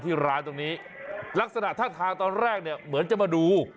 ที่ร้านตรงนี้ลักษณะท่าทางตอนแรกเนี่ยเหมือนจะมาดู